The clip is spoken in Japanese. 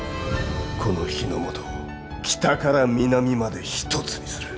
この日ノ本を北から南まで一つにする。